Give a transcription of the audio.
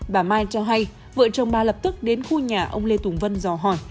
bà mai cho hay vợ chồng bà lập tức đến khu nhà ông lê tùng vân dò hỏi